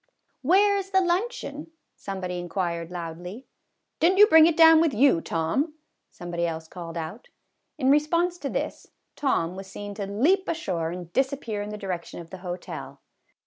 "Where is the luncheon?" somebody inquired MRS. HUDSON'S PICNIC. 151 loudly. " Did n't you bring it down with you, Tom ?" somebody else called out. In response to this, Tom was seen to leap ashore and disappear in the direction of the hotel.